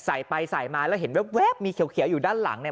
ใส่ไปใส่มาแล้วเห็นแว๊บมีเขียวอยู่ด้านหลังเนี่ย